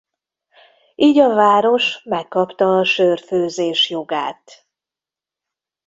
Így a város megkapta a sörfőzés jogát.